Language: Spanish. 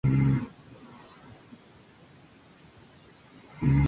Escribe en los diarios "El Punt Avui" y "ElNacional.cat".